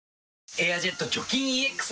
「エアジェット除菌ＥＸ」